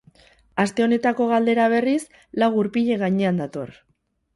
Aste honetako galdera, berriz, lau gurpilen gainean dator.